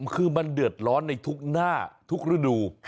คือมันเดือดร้อนในทุกหน้าทุกฤดู